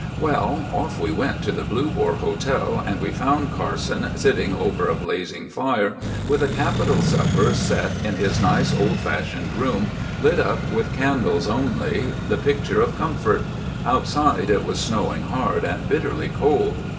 Well, off we went to the Blue Boar Hotel, and we found Carson sitting over a blazing fire, with a capital supper set in his nice old fashioned room, lit up with candles only, the picture of comfort—outside it was snowing hard and bitterly cold.